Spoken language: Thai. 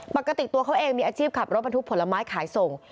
ปกติตัวเขาเองมีอาชีพขับรถบรรทุกผลไม้ขายส่ง